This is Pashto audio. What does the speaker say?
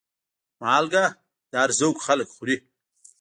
مالګه د هر ذوق خلک خوري.